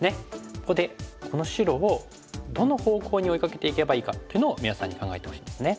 ここでこの白をどの方向に追いかけていけばいいかっていうのを皆さんに考えてほしいんですね。